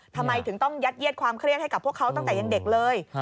ทำไมถึงต้องยัดเยียดความเครียดให้กับพวกเขาตั้งแต่ยังเด็กเลย